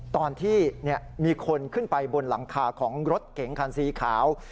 ตอนที่มีคนขึ้นไปบนหลังคาของรถเก๋งคันสีขาว